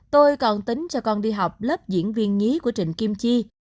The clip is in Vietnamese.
tôi còn tính cho con đi học lớp diễn viên nhí của trịnh kim chi